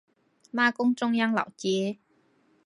媽宮中央老街